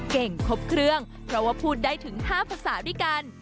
ครบเครื่องเพราะว่าพูดได้ถึง๕ภาษาด้วยกัน